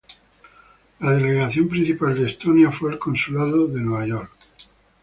La delegación principal de Estonia fue el consulado en Nueva York.